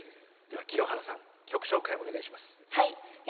清原さん、曲紹介をお願いします。